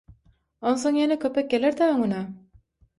Оnsоň ýenе köpеk gеlеr-dä öňünе.